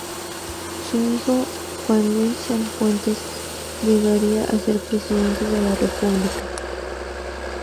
Su hijo Juan Luis Sanfuentes llegaría a ser presidente de la República.